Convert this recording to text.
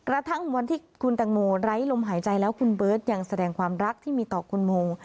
กระทั่งวันที่คุณตังโมไร้ลมหายใจแล้วคุณเบิร์ตยังแสดงความรักที่มีต่อคุณโม